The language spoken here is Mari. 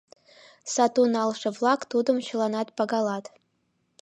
Сату налше-влак тудым чыланат пагалат.